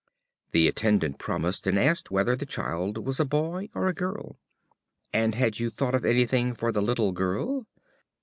The attendant promised, and asked whether the child was a boy or girl. "And had you thought of anything for the little girl?"